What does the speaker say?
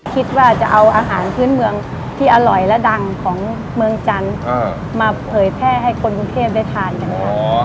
คิดว่าจะเอาอาหารพื้นเมืองที่อร่อยและดังของเมืองจันทร์มาเผยแพร่ให้คนกรุงเทพได้ทานกันค่ะ